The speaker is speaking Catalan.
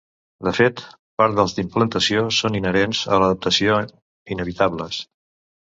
De fet, part dels d’implantació són inherents a l’adaptació, inevitables.